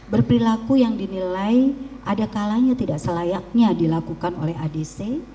berperilaku yang dinilai ada kalanya tidak selayaknya dilakukan oleh adc